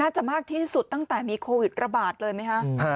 จะมากที่สุดตั้งแต่มีโควิดระบาดเลยไหมคะ